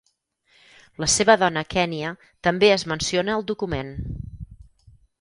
La seva dona Kennya també es menciona al document.